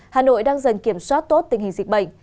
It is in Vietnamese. hà nội đang dần kiểm soát tốt tình hình dịch bệnh